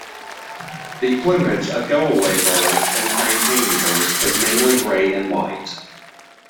The plumage of go-away-birds and plantain-eaters is mainly grey and white.